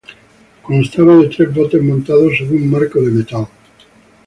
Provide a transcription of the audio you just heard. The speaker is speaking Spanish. Constaba de tres botes montados sobre un marco de metal.